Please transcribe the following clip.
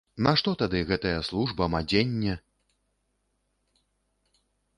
Нашто тады гэтая служба, мадзенне?